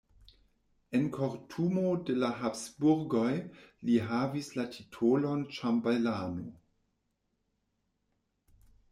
En kortumo de la Habsburgoj li havis la titolon ĉambelano.